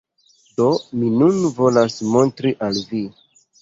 Do, mi nun volas montri al vi